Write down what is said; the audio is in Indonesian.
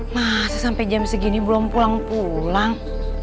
masa sampai jam segini belum pulang pulang